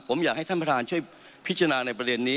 ผมอยากให้ท่านประธานช่วยพิจารณาในประเด็นนี้